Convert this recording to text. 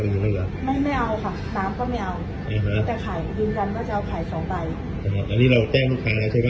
แต่ไข่ยืนกันก็จะเอาไข่สองใบอ่าฮะอันนี้เราแจ้งลูกค้าแล้วใช่ป่ะ